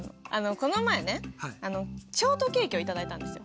この前ねショートケーキを頂いたんですよ。